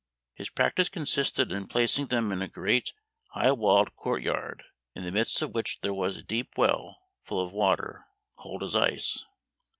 His practice consisted in placing them in a great high walled court yard, in the midst of which there was a deep well full of water, cold as ice.